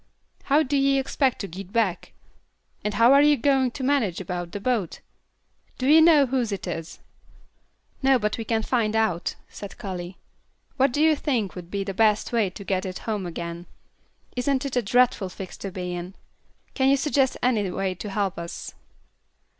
How do ye expect to git back? And how are ye going to manage about the boat? Do ye know whose it is?" "No, but we can find out," said Callie. "What do you think would be the best way to get it home again? Isn't it a dreadful fix to be in? Can you suggest any way to help us?"